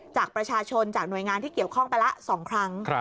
จากประชาชนจากหน่วยงานที่เกี่ยวข้องไปละ๒ครั้ง